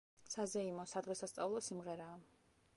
საზეიმო, სადღესასწაულო სიმღერაა.